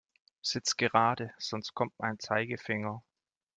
Sitz gerade, sonst kommt mein Zeigefinger.